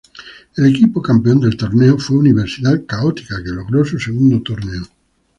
El equipo campeón del torneo fue Universidad Católica, que logró su segundo torneo.